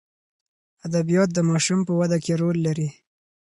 ادبیات د ماشوم په وده کې رول لري.